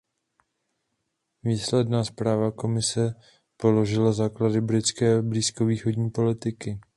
Výsledná zpráva komise položila základy britské blízkovýchodní politiky.